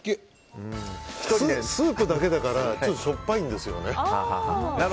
スープだけだからちょっとしょっぱいんですよね。